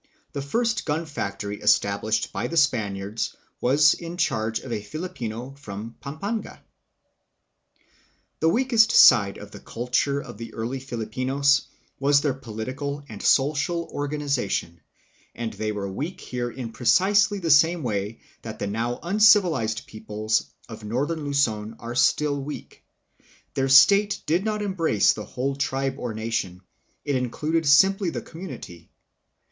The first gun factory established by the Spaniards was in charge of a Filipino from Pampanga. Early Political and Social Life. The Barangay. The weakest side of the culture of the early Filipinos was their political and social organization, and they were weak here in precisely the same way that the now uncivilized peoples of northern Luzon are still weak. Their state did not embrace the whole tribe or nation; it included simply the community.